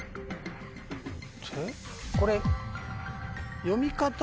これ。